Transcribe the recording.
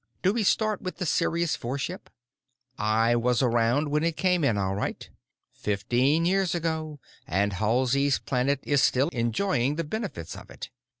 Do we start with the Sirius IV ship? I was around when it came in, all right. Fifteen years ago, and Halsey's Planet is still enjoying the benefits of it.